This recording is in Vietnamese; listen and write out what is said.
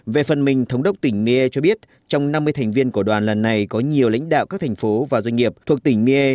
về phần mình thống đốc tỉnh miên cho biết trong năm mươi thành viên của đoàn lần này có nhiều lãnh đạo các thành phố và doanh nghiệp thuộc tỉnh miên